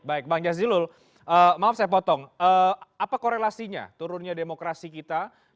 baik bang jazilul apa korelasinya turunnya demokrasi kita